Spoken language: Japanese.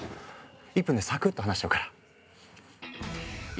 １分でサクッと話しちゃうから。